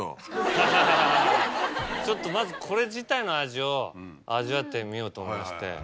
まずこれ自体の味を味わってみようと思いまして。